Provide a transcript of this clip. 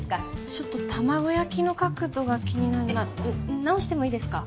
ちょっと卵焼きの角度が気になるな直してもいいですか？